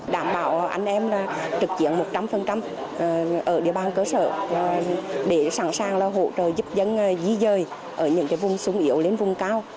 để sẵn sàng là hỗ trợ giúp dân dí dơi ở những cái vùng súng yếu đến vùng cao